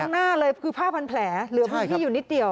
ข้างหน้าเลยคือผ้าพันแผลเหลือพื้นที่อยู่นิดเดียว